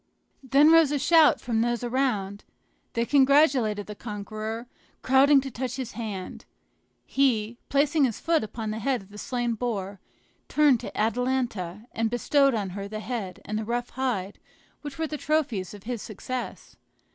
Then rose a shout from those around; they congratulated the conqueror, crowding to touch his hand. He, placing his foot upon the head of the slain boar, turned to Atalanta and bestowed on her the head and the rough hide which were the trophies of his success.